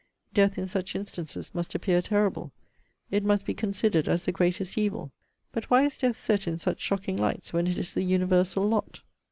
Death, in such instances, must appear terrible. It must be considered as the greatest evil. But why is death set in such shocking lights, when it is the universal lot?